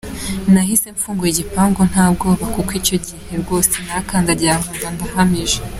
Nahise mfungura igipangu nta bwoba kuko icyo gihe rwose narakandagiraga nkumva ndahamije.